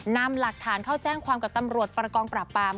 นำหลักฐานเข้าแจ้งความกับตำรวจประกองปราบปราม